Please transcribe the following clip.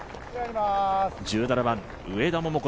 １７番、上田桃子